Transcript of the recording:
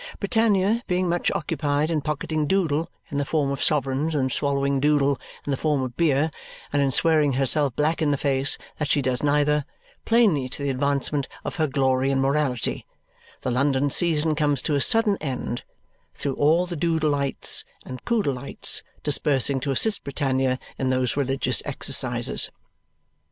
Britannia being much occupied in pocketing Doodle in the form of sovereigns, and swallowing Doodle in the form of beer, and in swearing herself black in the face that she does neither plainly to the advancement of her glory and morality the London season comes to a sudden end, through all the Doodleites and Coodleites dispersing to assist Britannia in those religious exercises.